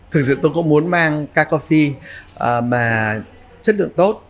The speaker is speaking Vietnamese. thực sự tôi cũng muốn mang các coffee mà chất lượng tốt